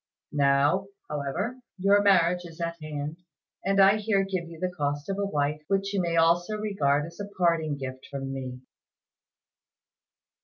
Now, however, your marriage is at hand, and I here give you the cost of a wife, which you may also regard as a parting gift from me."